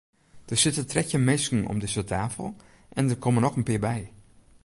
Der sitte trettjin minsken om dizze tafel en der komme noch in pear by.